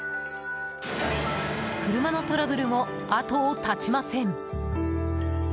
車のトラブルも後を絶ちません。